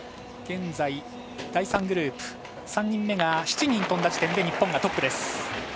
現在、第３グループ３人目が７人飛んだ時点で日本がトップ。